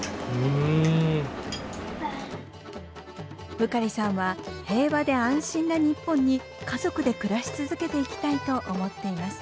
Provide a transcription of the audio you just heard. ブカリさんは平和で安心な日本に家族で暮らし続けていきたいと思っています。